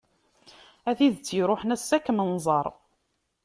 A tidet iṛuḥen, ass-a ad kem-nẓeṛ.